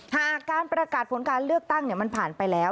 หากการประกาศผลการเลือกตั้งมันผ่านไปแล้ว